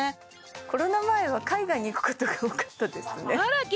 コロナ前は海外に行くことが多かったですね